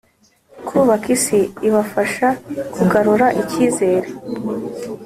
Kubaka Isi Ibafasha Kugarura Icyizere